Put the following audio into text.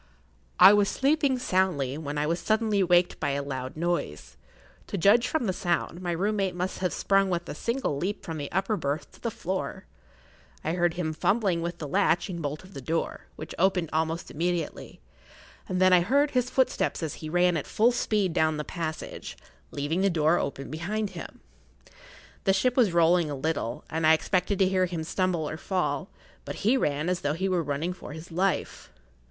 I was sleeping soundly when I was suddenly waked by a loud noise. To judge from the sound, my room mate must have sprung with a single leap from the upper berth to the floor. I heard him fumbling with the latch and bolt of the door, which opened almost immediately, and then I heard his footsteps as he ran at full speed down the passage, leaving the door open behind him. The ship was[Pg 21] rolling a little, and I expected to hear him stumble or fall, but he ran as though he were running for his life.